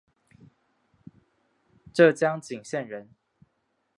浙江鄞县人。